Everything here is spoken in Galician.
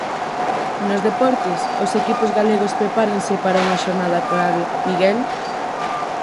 Nos deportes, os equipos galegos prepáranse para unha xornada clave, Miguel.